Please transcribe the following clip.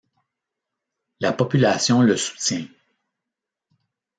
La population le soutient.